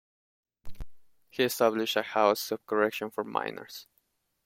He established a house of correction for minors.